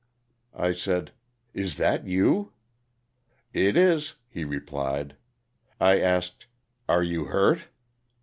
I said: '^Is that you?" '^t is," he replied. I asked: "Are you hurt?"